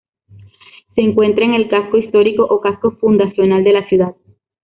Se encuentra en el Casco Histórico o Casco Fundacional de la ciudad.